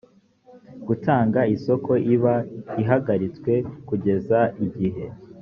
gutanga isoko iba ihagaritswe kugeza igihe